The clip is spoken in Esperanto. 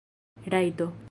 rajto